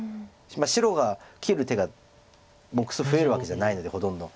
白が切る手が目数増えるわけじゃないのでほとんど。